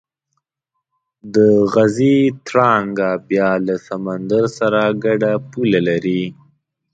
د غزې تړانګه بیا له سمندر سره ګډه پوله لري.